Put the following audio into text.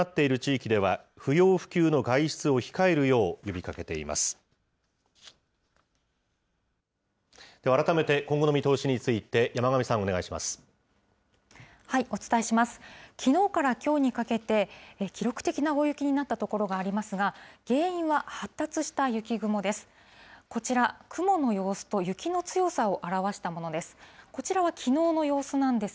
きのうからきょうにかけて、記録的な大雪になった所がありますが、原因は発達した雪雲です。